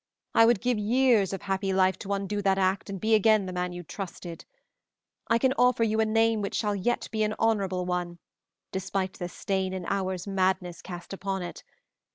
I would give years of happy life to undo that act and be again the man you trusted. I can offer you a name which shall yet be an honorable one, despite the stain an hour's madness cast upon it.